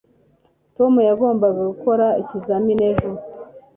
tom yagombaga gukora ikizamini ejo